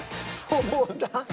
「そうだん」。